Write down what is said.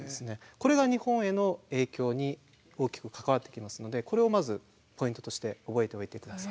これが日本への影響に大きく関わってきますのでこれをまずポイントとして覚えておいて下さい。